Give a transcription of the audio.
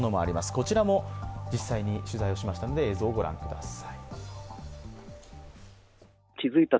こちらも実際に取材をしましたので映像をご覧ください。